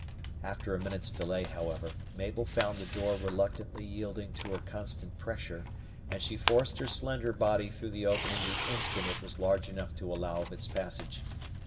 After a minute's delay, however, Mabel found the door reluctantly yielding to her constant pressure, and she forced her slender body through the opening the instant it was large enough to allow of its passage.